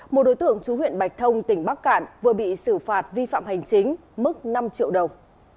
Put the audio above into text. một đối tượng chú huyện bạch thông tỉnh bắc cạn vừa bị xử phạt vi phạm hành chính mức năm triệu đồng